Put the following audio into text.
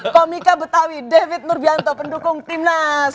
komika betawi david nurbianto pendukung timnas